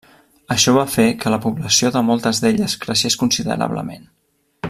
Això va fer que la població de moltes d'elles creixés considerablement.